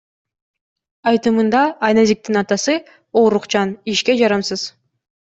Айтымында, Айназиктин атасы оорукчан, ишке жарамсыз.